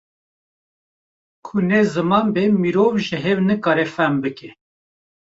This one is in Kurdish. Ku ne ji ziman be mirov ji hev nikare fehm bike